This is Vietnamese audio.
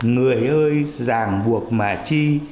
người ơi giàng buộc mà chi